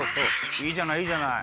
いいじゃないいいじゃない。